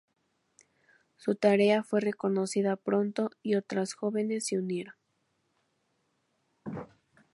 Su tarea fue reconocida pronto y otras jóvenes se unieron.